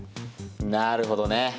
なるほどね。